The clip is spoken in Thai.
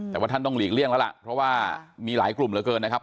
แต่ว่าท่านต้องหลีกเลี่ยงแล้วล่ะเพราะว่ามีหลายกลุ่มเหลือเกินนะครับ